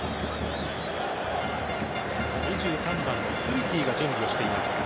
２３番のスリティが準備をしています。